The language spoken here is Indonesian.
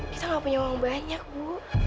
kita nggak punya uang banyak bu